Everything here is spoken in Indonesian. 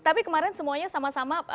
tapi kemarin semuanya sama sama